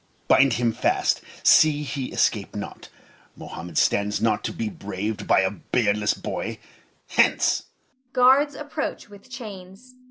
Bind him fast; see he escape not. Mohammed stands not to be braved by a beardless boy! Hence!